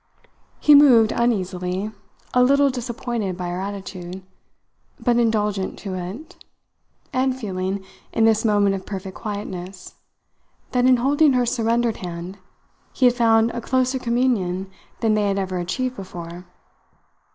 He moved uneasily, a little disappointed by her attitude, but indulgent to it, and feeling, in this moment of perfect quietness, that in holding her surrendered hand he had found a closer communion than they had ever achieved before.